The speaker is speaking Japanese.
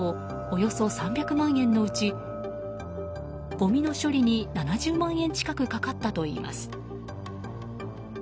およそ３００万円のうちごみの処理に７０万円近くかかったといいます。